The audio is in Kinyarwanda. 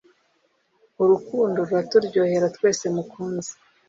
urukundo ruraturyohera twese mukunzi.